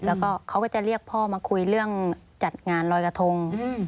แล้วก็เขาก็จะเรียกพ่อมาคุยเรื่องจัดงานรอยกระทง